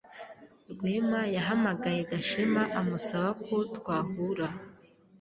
Rwema yahamagaye Gashema amusaba ko twahura